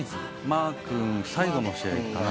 マー君最後の試合かな。